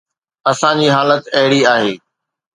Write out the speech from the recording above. اسان جي حالت اهڙي آهي.